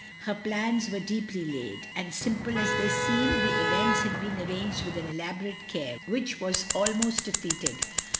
Her plans were deeply laid, and, simple as they seemed, the events had been arranged with an elaborate care, which was almost defeated, how SUSANNA AT HOME.